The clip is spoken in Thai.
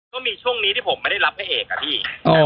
ก็มีช่วงนี้ที่ผมไม่ได้รับพระเอกอะพี่